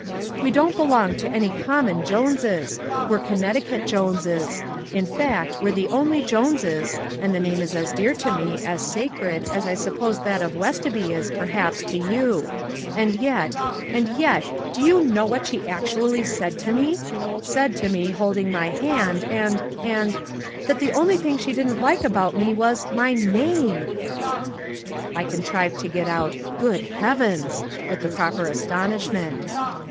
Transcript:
"We don't belong to any common Joneses. We're Connecticut Joneses. In fact, we're the only Joneses and the name is as dear to me, as sacred, as I suppose that of Westoby is, perhaps, to you. And yet and yet do you know what she actually said to me? Said to me, holding my hand, and, and that the only thing she didn't like about me was my name." I contrived to get out, "Good heavens!" with the proper astonishment.